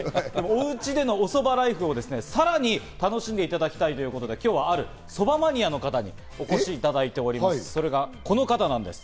おうちでのおそばライフをさらに楽しんでいただきたいということで、今日はある、そばマニアの方に来ていただいているんです。